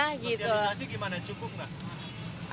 sosialisasi gimana cukup nggak